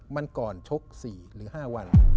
มันก่อนชก๔หรือ๕วัน